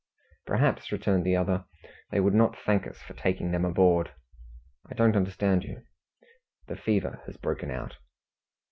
"Perhaps," returned the other, "they would not thank us for taking them aboard." "I don't understand you." "The fever has broken out."